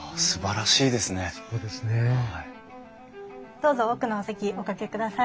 どうぞ奥のお席お掛けください。